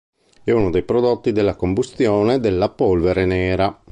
È uno dei prodotti della combustione della polvere nera.